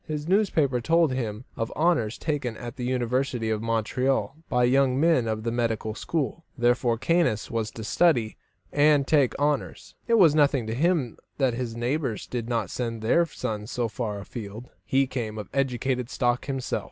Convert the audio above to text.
His newspaper told him of honours taken at the University of Montreal by young men of the medical school; therefore, Caius was to study and take honours. It was nothing to him that his neighbours did not send their sons so far afield; he came of educated stock himself.